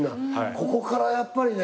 ここからやっぱりね。